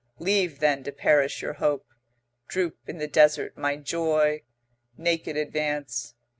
Leave then to perish your hope; droop in the desert my joy; naked advance.